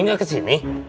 dany gak kesini